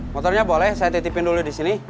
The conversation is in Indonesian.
motornya boleh saya titipin dulu disini